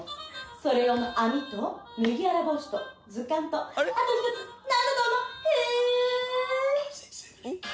それ用の網と麦わら帽子と図鑑とあと１つ何だと思う？